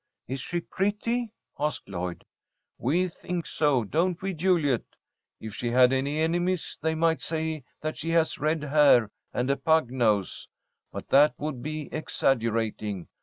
"Is she pretty?" asked Lloyd. "We think so, don't we, Juliet? If she had any enemies, they might say that she has red hair and a pug nose. But that would be exaggerating.